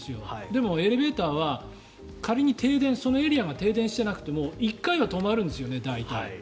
でも、エレベーターは仮に停電そのエリアが停電していなくても１回は止まるんですよね大体。